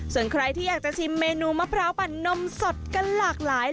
ส่วนใครที่อยากจะชิมเมนูมะพร้าวปั่นนมสดกันหลากหลาย